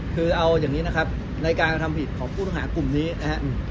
คือเอาอย่างนี้นะครับในการกระทำผิดของผู้ต้องหากลุ่มนี้นะครับ